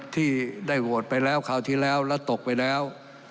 ที่ได้โหวตไปแล้วคราวที่แล้วแล้วตกไปแล้ว